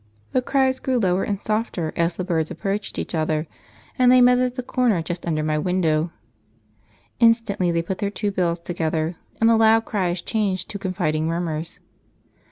The cries grew lower and softer as the birds approached each other, and they met at the corner just under my window. Instantly they put their two bills together and the loud cries changed to confiding murmurs.